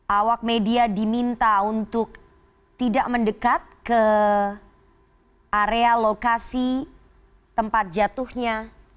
awak media diminta untuk tidak mendekat ke area lokasi tempat jatuhnya